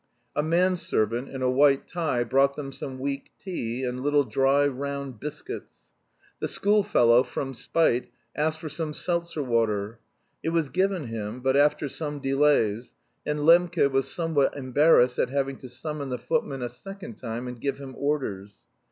A manservant in a white tie brought them some weak tea and little dry, round biscuits. The schoolfellow, from spite, asked for some seltzer water. It was given him, but after some delays, and Lembke was somewhat embarrassed at having to summon the footman a second time and give him orders.